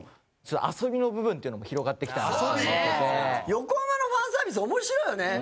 横浜のファンサービス面白いよね。